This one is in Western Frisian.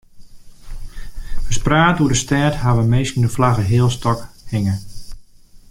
Ferspraat oer de stêd hawwe minsken de flagge healstôk hinge.